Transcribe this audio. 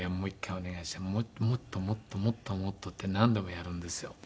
もっともっともっともっとって何度もやるんですよ。